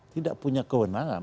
tidak punya kewenangan